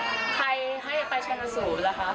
ใครให้ไปชนะสูตรล่ะคะ